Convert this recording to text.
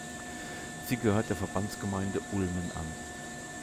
Sie gehört der Verbandsgemeinde Ulmen an.